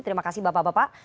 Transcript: terima kasih bapak bapak